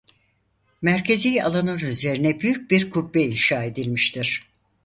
Merkezi alanın üzerine büyük bir kubbe inşa edilmiştir.